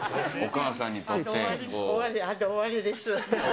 あと、終わりです。